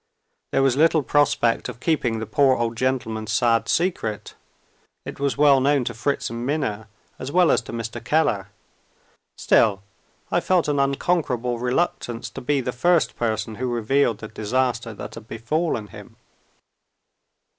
There was little prospect of keeping the poor old gentleman's sad secret. It was known to Fritz and Minna, as well as to Mr. Keller. Still, I felt an unconquerable reluctance to be the first person who revealed the disaster that had befallen him.